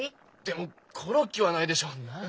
でもコロッケはないでしょう？なあ？